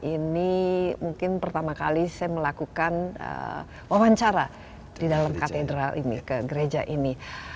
ini mungkin pertama kali saya melakukan wawancara di dalam katedral ini ke gereja ini